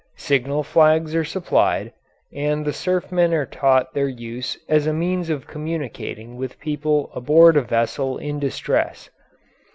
Signal flags are supplied, and the surfmen are taught their use as a means of communicating with people aboard a vessel in distress.